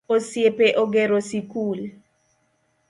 Osiepe ogero sikul